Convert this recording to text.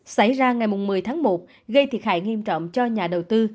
xảy ra ngày một mươi tháng một gây thiệt hại nghiêm trọng cho nhà đầu tư